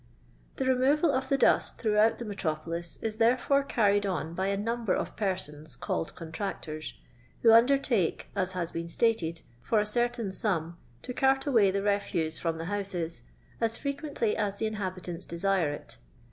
The removal of the dust throughout the metro polis, is, therefore, carried on by a niunber of persons called Contractors, who undertake, as has been stated, ftr a certain sum, to cart away the refuse from the houses as frequently as the inhabitants desire it.